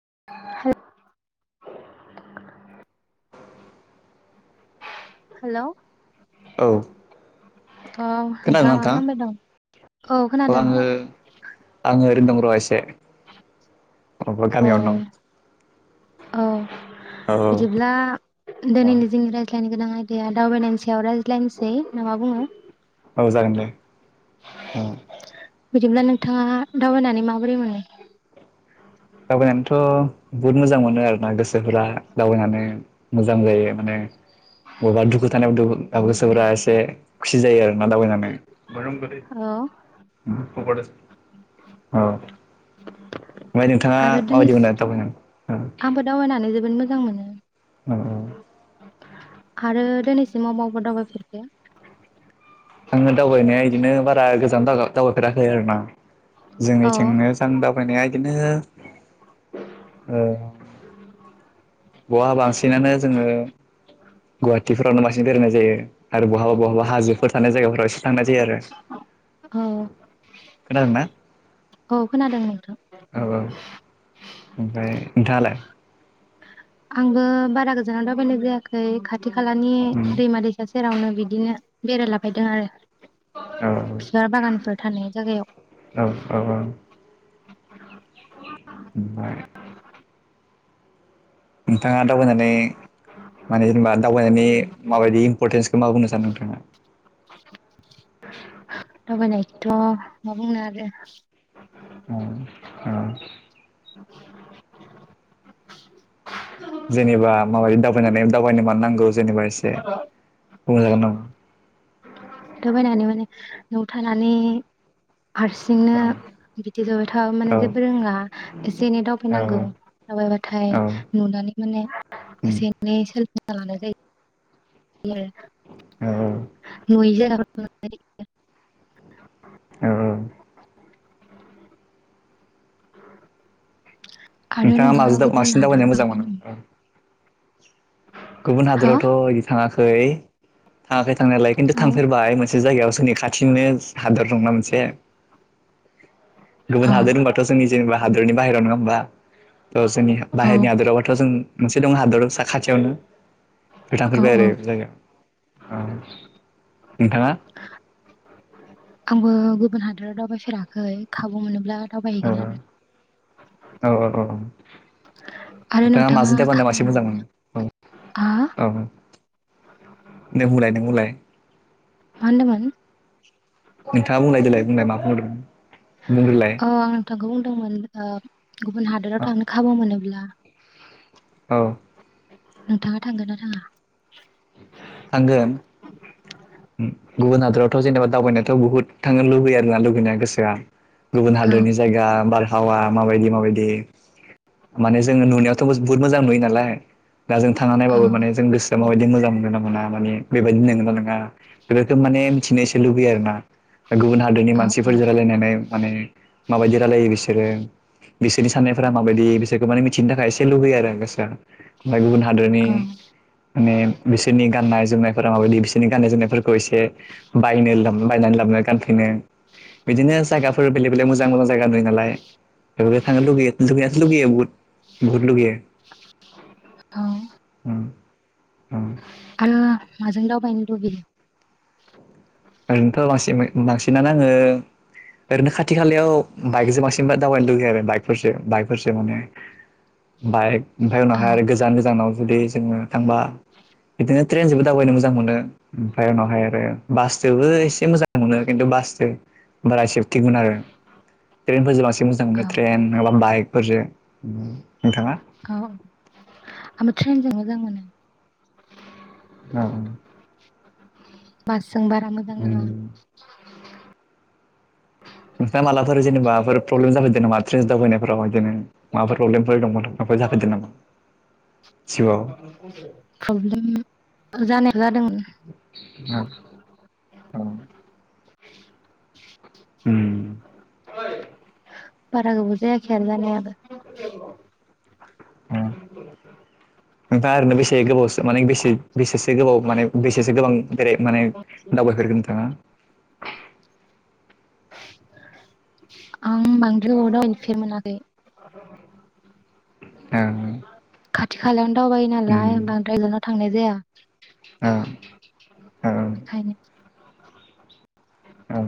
[inaudible] Hello औ खोनादों नोंथाङा मा नोंथां खालामबाय दं औ खोनादों आङो आङो ओरैनो दं र एसे अब्ला औ गामियावनो दं औ औ बिदिब्ला दिनैनि औ जोंनि रायज्ला जानो गोनां आयदाया दावबायनायनि सायाव रायज्लायनोसै नामा बुङो औ जागोन दे औ बिदिब्ला नोंथाङा दावबायनानै माबोरै मोनो? बुहुत मोजां मोनो आरो ना गोसोफोरा दावबायनानै मोजां जायो। माने बबेबा दुखु थानायाव ओ गोसोफोरा एसे खुसि जायो आरो दावबायनानै औ औ नोंथाङा आरो माबायदि मोनो दिनैसिम दावबायनानै औ आंबो दावबायनानै जोबोद मो मोजां मोनो। औ औ आरो दिनैसिमाव अबाव अबाव दावबायफेरखो? आङो दावबायनाया इदिनो बारा गोजानाव दावबायफेराखै आरो ना। जोंनि औ थिंनो सानदाब बायनाया इदिनो ओ बहा बांसिनानो जोङो गुवाहाटिफोरावनो बांसिन बेरायनाय जायो आरो बहाबा बहाबा हाजोफोर थानाय जायगाफोराव एसे थांनाय जायो आरो। खोनादोंना औ औ खोनादों नोंथां। औ औ ओमफ्राय नोंथाङालाय? आंबो बारा गोजानाव दावबायनाय जायाखै खाथि खाथि खालानि उम दैमा दैसा सेरावनो बिदिनो बेरायला बायदों औ आरो बिबार बागानफोर थानाय औ जागायाव। औ ओमफ्राय नोंथाङा दावबायनानै माने जेनेबा दावबायनायनि माबायदि इम्परटेन्सखौ मा बुंनो सानो नोंथाङा? दावबायनायखौथ' मा बुंनो आरो औ औ जेनेबा माबायदि दावबायनानै दावबायनो मानो नांगौ। जेनेबा एसे बुंजागोन नामा? दावबायनानै माने नआव थानानै हारसिंनो औ बिदि जबाय थाबा माने जेबो रोङा एसे एनै औ दावबायनांगौ दावबायबाथाय औ नुनानै माने उम एसे एनै सो लानाय जायो। [unintelligible] औ औ नुयि जागा [unintelligible] औ औ औ नोंथाङा माजो बांसिन दावबायनायनो मोजां थांबाय नामा मोनो? गुबुन हा हादोरावथ' बिदि थाङाखो यै थाङाखै थांनायालाय खिन्थु औ थांफेरबाय मोनसे मोनसे जायगायाव जोंनि खाथिनिनो हादर दंना मोनसे। औ गुबुन हादोर होमबाथ' जोंनि जेनेबा हादरनि बाहेरायाव नङा होमबा? थ' जोंनि औ बाहेरनि हादोरावबाथ' जों मोनसे दं हादर साखाथियावनो खो औ थांफेरबाय आरो औ बे जायगायाव। औ नोंथाङा? आंबो गुबुन हादोराव दावबायफेराखै खाबु मोनोब्ला औ दावबायहैगोन आरो। औ औ औ। आरो नोंथाङा नोंथाङा माजो दावबाना खाबु बांसिन मोजां मोनोब्ला मोनो हा औ। नों बुंलाय नों बुंलाय। मा होनदोमोन? नोंथाङा बुंलाय देलाय बुंलाय मा बुंहरदों? बुंग्रोलाय। नोंखौ बुंदोंमोन ओ गुबुन हादोराव औ थांनो खाबु मोनो ब्ला औ। नोंथाङा थांगोन ना थाङा? थांगोन गुबुन हादरावथ' जेनेबा दावबायनायाथ' बुहुद थांनो लुबैयो आरोना लुुबैनाया गोसोआ। गुबुन औ हादोरनि जायगा बार हावा माबायदि माबायदि माने जोङो नुनायावथ' बुहुत मोजां नुयो नालाय। दा जों थांना औ नायबाबो माने जों गोसोआ माबायदि मोजां [unintelligible] मोना माने बेबायदि नोंगोना नङा? बेफोरखो माने मिथिनो एसे लुबैयो आरोना। गुबुन हादोरनि औ मानसिफोरजों रायलायनानै माने माबायदि रायलायो बिसोरो बिसोरनि साननायफोरा माबायदि बिसोरखौ माने मिथि थिनो थाखाय एसे लुगैयो आरो गोसोआ। फाय गुबुन हादोरनि औ माने बिसो नि गाननाय जोमनायफोर रा माबायदि बिसोरनि गाननाय जोमनायफोरखौ एसे बायनो बायनानै लाबो गानफैनो बिदिनो जायगाफोर बेलेग बेलेग मोजां मोजां जायगा नुयो नालाय। बेफोरखो थांनो लुबैयो [unintelligible] लुगैयो बुहुत बुहुत लुगैयो। [unintelligible] [inaudible] ईम। आरो माजों दावबायनो लुबैयो। ओरैनोथ लासिमो। बांसिनानो आङो ओरैनो खाथि खालायाव बाइकजों बांसिन दावबायनो लुुबैयो आरो बाइकफोरसो बाइकफोरसो माने बाइक ओमफ्राय औ उनावहाय आरो गोजान गोजानाव जुदि जोङो थांबा बिदिनो ट्रेनजोंबो दावबायनो मोजां मोनो ओमफ्राय उनावहाय आरो बास। जोबो इसे मोजां मोनो खिन्थु बासजों बारा सेफटिगोन आरो ट्रेनफोरजों बांसिन मोजां औ मोनो ट्रेन नङा बाइकफोरजों नोंथाङा। आंबै ट्रेनजों मोजां मोनो। उम। बास। जों बारा मोजां नाङा। नोंथाङा मालाफोर जेनेबाफोर प्रब्लेम जाफेरदों नामा ट्रेन्स दावफैनायफोराव बिदिनो माबाफोर प्रब्लेमफोर दंमोन माबफोर जाफैदों नामा जिउआव। प्रब्लेम जानाया जादोंमोन। औ औ। उम। बारा गोबावजायाखै आरो जानाय। नोंथाङा ओरैनो बेसे गोबावसो माने बेसे बेसेसो गोबाव माने बेसेसो गोबां बेेराय माने दावबाय फेरखो नोंथाङा‌ उम बांद्राय अरदाव हैफेर मोनाखै। ओं। खाथि खालायाव। दावबायो नालाय बांद्राय गोजानाव थांनाय। जिया। ओ। ओ। बेखायनो। औ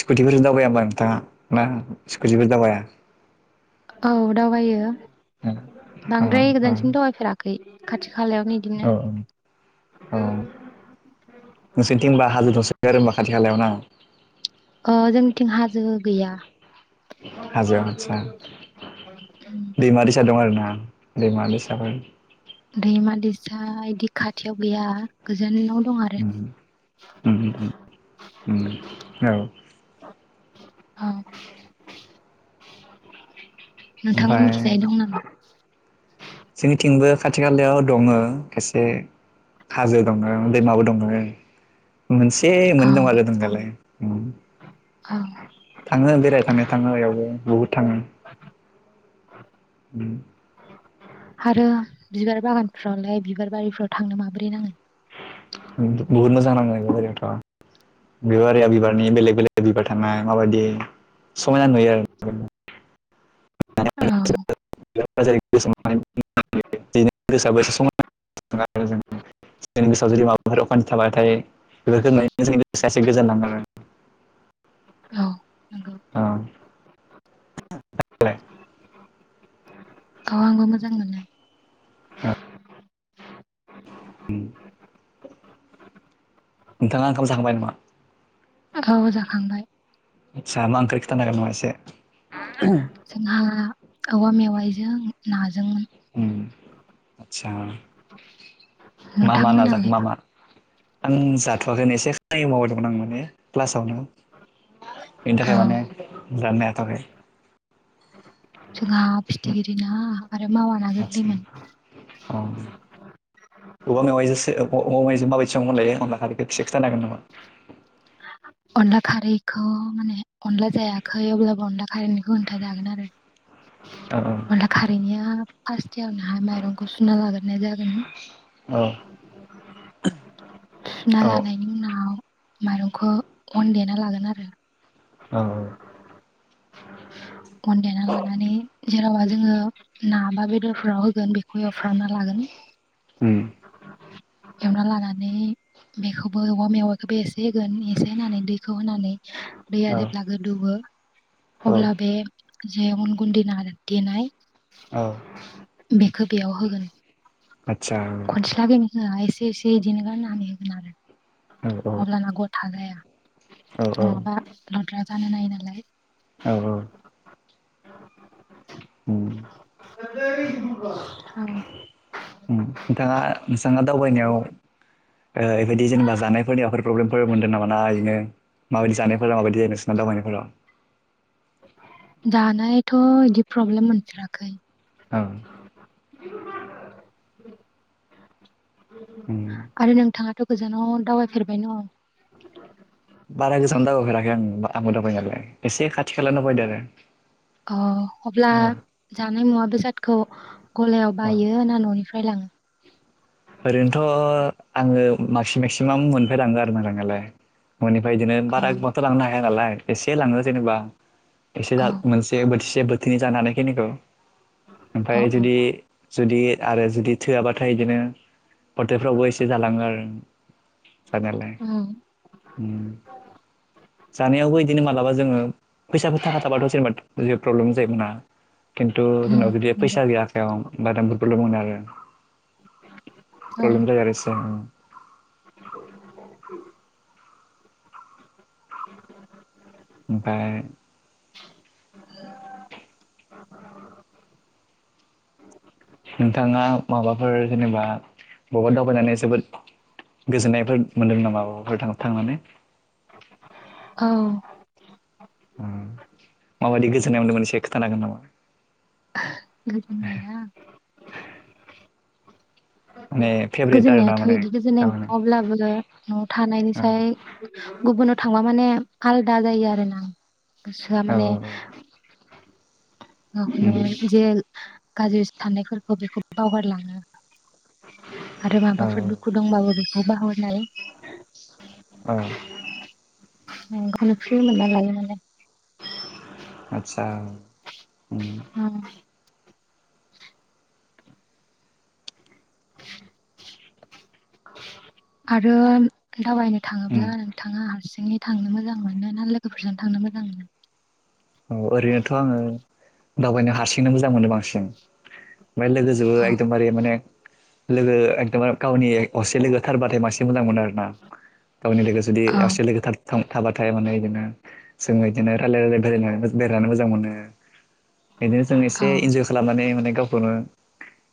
स्कुटिफोर दावबायाबा नोंथाङा ना स्कुटिफोर दावबाया। औ दावबायो। औ बांद्राय गोजानसिम दावबायफेराखै। खाथि। खालायाव बिदिनो। औ नोंसिथिंबा हाजो दंसो डारो होनबा खााथि खालायाव ना। अ जोंनिथिं हाजो गैया। हाजोआव आदसा दैमा दैसा बो। दैमा दैसा बिदि खाथियाव गैया गोजानाव। दं आरो। उम उम उम औ औ। नोंथाङा ओमफ्राय मिथिजायै दं नामा जोंनिथिंबो। खाथि खालायाव दङ खायसे। हाजो दङ दैमाबो दङ। मोनसे औ मोननै दं आरो औदिनखालि उम औ थाङो बेराय थांनाय थाङो बेयावबो बहुद थाङो उम आरो बिबार बागानफ्रावलाय बिबार बारिफ्राव थांनो माबोरै नाङो द [unintelligible] बेबारिया बिबारनि बेलेग बेलेग बिबार थानाया माबायदि समायना नुयो आरो ना औ [unintelligible] जुदि माबाफोर अखान्थि थाबायथाय बेफोरखौ नुनानै गोजोन नांङो आरो औ नोंगौ अ [unintelligible] औ आंबो मोजां मोनो औ नोंथाङा ओंखाम जाखांबाय नामा औ जाखांबाय आटसा मा ओंख्रि खिथानो हागोन नामा एसे जोंहा औवा मेवाय जों ना उम आदसा मा मा नाजाखो नोंथांमोनालाय मा मा आं जाथवाखैनो एसे खामानिआव बेसथ मावबाय दंमोन आं माने प्लास [unintelligible] बेनि औ थाखाय माने जानोनो हायाखै थाखाय जोंहा फिथिगिरि ना आरो मावा ना आदसा गोरलैमोन अ [unintelligible] अनलाखारैखौ इसेखिनथानो हागोन नामा अनला खारैखौ माने अनला जायाखै अब्लाबो अनला खारैनिखौ खोनथा जागोन आरो औ अनला खारैनिया फार्स खाथियावनोहाय माइरंखौ सुना लाग्रो नांगोन औ सुना औ लानायनि उनाव माइरंखौ अन देना लागोन आरो औ -औ अन देना लानानै जेनवबा जोङो ना बा बेदरफोराव होगोन बेखौ एवफ्रामना लागोन उम एवना लानानै बेखौबो औवा मेवखौ बेसे एसे होगोन एसे होनानै दैखौ होनानै दैया औ जेब्ला गोदौवो औ अब्ला बे जे उन गुन्दै देनाय औ बेखौ बेयाव होगोन आतसा खनसेलागै एसे एसे इदिनो गारनानै होगोन आरो औ हब्लाना ग औ [unintelligible] औ नङाबा लद्रा जानो नायो नालाय औ उम [unintelligible] औ उम नोंथाङा नोंथाङा दावबायनायाव ओ बेबायदि जेनेबा जानायफोरनियाव माबाफोर प्रब्लेमफोर मोन्दों नामा ना इदिनो माबायदि जानायफोरा माबायदि जायो नोंसोरना दावबायनायाव फोरा जानायाथ' इदि प्रब्लेम मोनफेराखै औ [inaudible] उम आरो नोंथाङा थ गोजानाव दावबायफेरबाय ना बारा गोजान दावबायफेराखै आं आंबो दावबायनायालाय एसे खाथि खाला दावबायदो आरो अ अब्ला जानाय मुवा बेसाद खौ गलायाव अ बायो ना न'निफ्राय लाङो ओरैनोथ' आङो मासि मेक्सिमाम न'निफ्राय लांङो आरो ना लांनायालाय ननिफ्राय बिदिनो अ बारा गोबांथ' लांनो हाया हाया नालाय एसे लांनो जेनेबा एसे औ जा-मोनसे बोथिसे बो थिनै जानो हानाय खिनिखौ औ ओमफ्राय औ जुदि जुदि आरो जुदि थोआबाथाय इदिनो हथेलफ्रावबो एसे जालाङो आरो जानायालाय उम उम जानायावबो बिदिनो मालाबा जोङो फैसा फोर थाख थाबाथ जेनेबा जेबो प्रब्लेम जायो बुंङा खिन्थु उम जोंनाव जुदि नंगौ फैसा गैया आखायाव बादामफोरखौल' मोनो आरो औ प्रब्लेमजायो आरो [unintelligible] [inaudible] ओमफाय [unintelligible] नोंथाङा माबाफोर जेनेबा बबबा दावबायनानै जोबोद गोजोननायफोर मोनदों नामा बबाफोर थां-थांनानै [unintelligible] औ उय माबायदि गोजोननाय मोनदों मोन एसे खोनथानो हागोन नामा गोजोननाया माने फेभरेट आरो ना गोजोननायाथ माने इदि गोजोननाय थारमाने नोंङा अब्लाबो नआव औ थानायनिसाय गुबुनाव थांबा माने आलादा जायो आरो ना गोसोआ औ माने औ न उम। जेल गाज्रि साननायफोरखौ बेखौ बावगारलाङो आरो औ माबाफोर दुखु दंबाबो खबा हरनाय अ ओंखायनो फ्रि मोनना लायो माने आदसा उम [unintelligible] आरो दावबायनो उम थांङोब्ला नोंथाङा हारसिंङै थांनो मोजां मोनो ना लोगोफोरजों थांनो मोजां मोनो औ ओरैनोथ आंङो दावबायनो हारसिंनो मोजां मोनो बांसिन ओमफ्राय लोगोजोंबो औ एकदमबारे माने लोगो एखदमार गावनि असे लोगो थारबाथाय मांसि मोजां मोनो आर ना गावनि लोगो जुदि औ आससे लोगो थाद थां थाबाथाय माने इदिनो जोंङो इदिनो रायलाय रायलाय बेरायना बेरायनानै मोजां मोनो बिदिनो जों औ एसे इन्जय खालामनानै माने गावखौनो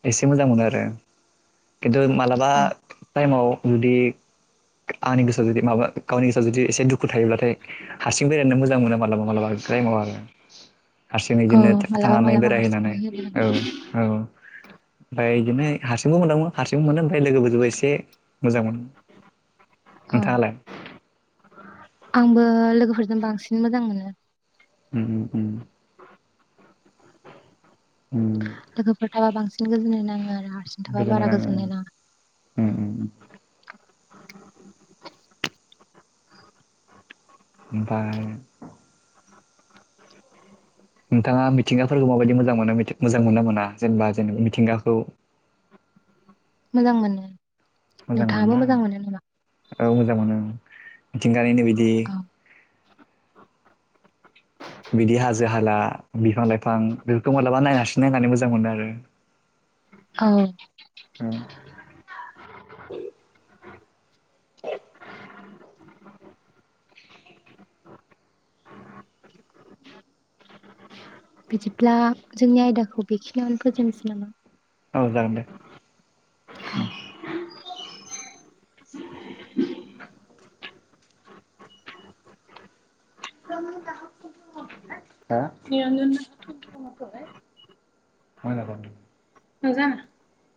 एसे मोजां मोनो आरो खिन्थु मालाबा औ टाइमाव जुदि आंनि गोसो जुदि माबा गावनि गोसोआव जुदि एसे दुखु थायोब्लाथाय हारसिं बेरायनो मोजां मोनो मालाबा मालाबा थाइमाव आरो हारसिं औ इदिनो मालाबा थांनानै मालाबा हारसिंबो बेरायहैनानै होयो औ औ ओमफ्राय इदिनो हारसिंबो मोनदांमो हारसिं मोनो ओमफ्राय लोगोफोरजों एसे मोजां मोनो [unintelligible] औ नोंथाङालाय आंबो लोगोफोर जों बांसिन मोजां मोनो। उम उम उम उम लोगोफोर थाबा बांसिन गोजोननाय नांङो। गोजोननाय नाङो ओम ओम ओम [inaudible] ओमफ्राय नोंथाङा मिथिंगाफोरखौ माबायदि मोजां मोनो मोजां मोना मोना जेनेबा जेनेबा मिथिंगाखौ मोजां मोनो मोजां नोंथाङाबो मोनोना मोजां मोनो नामा औ मोजां मोनो मिथिंगानिनो बिदि औ बिदि हाजो हाला बिफां लाइफां बेफोरखौ मालाबा नायनासि नायनानै मोज मोजां मोनो आरो औ [inaudible] [inaudible] बिदिब्ला जोंनि आयदाखौ बेखिनियावनो फोजोबनोसै नामा? औ जागोन दे। [inaudible] [unintelligible]